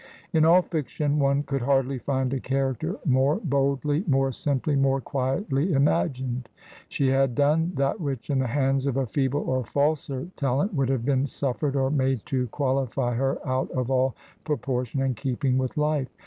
In all fiction one could hardly find a character more boldly, more simply, more quietly imagined. She had done that which in the hands of a feeble or falser talent would have been sufiFered or made to qualify her out of all proportion and keeping with life.